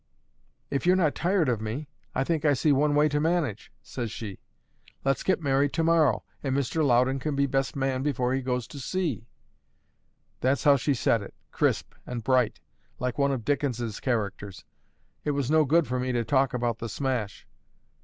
'If you're not tired of me, I think I see one way to manage,' says she. 'Let's get married to morrow, and Mr. Loudon can be best man before he goes to sea.' That's how she said it, crisp and bright, like one of Dickens's characters. It was no good for me to talk about the smash.